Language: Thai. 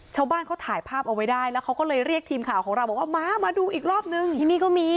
ชาวบ้านเขาถ่ายภาพเอาไว้ได้แล้วเรียกทีมข่าวของเรามาดูอีกรอบหนึ่ง